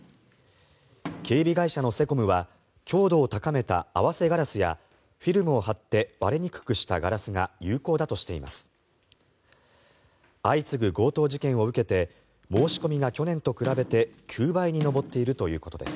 警備会社のセコムは強度を高めた合わせガラスやフィルムを張って割れにくくしたガラスが有効だとしています。